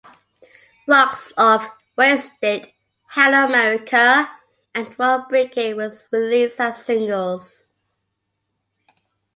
"Rocks Off", "Wasted", "Hello America" and "Rock Brigade" were released as singles.